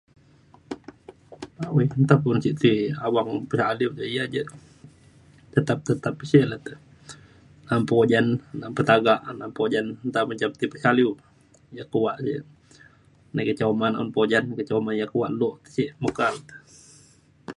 um nta pa ilu je ti awang [unintelligible] aliu ya jak tetap sek le te nam pa ujan nam pa tagak nam pa ujan nta menjam ti pakaliu ja kuak je [unintelligible] ca uman ujan ca uman kuak lok ce meka